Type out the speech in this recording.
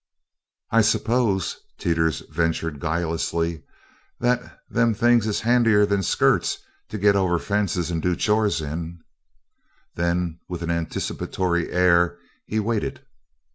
"I suppose," Teeters ventured guilelessly, "them things is handier than skirts to git over fences and do chores in?" Then, with an anticipatory air, he waited.